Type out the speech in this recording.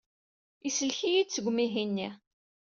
Isellek-iyi-d seg umihi-nni.